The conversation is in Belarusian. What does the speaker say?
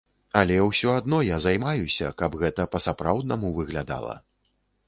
Алё ўсё адно я займаюся, каб гэта па-сапраўднаму выглядала.